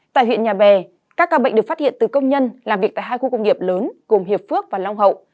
tại huyện nhà bè các ca bệnh được phát hiện từ công nhân làm việc tại hai khu công nghiệp lớn gồm hiệp phước và long hậu